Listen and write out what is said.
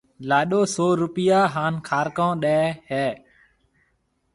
لاڏو سئو روپيا ھان کارڪون ڏَي ھيََََ